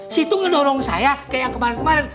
si tu ngedorong saya kayak yang kemarin kemarin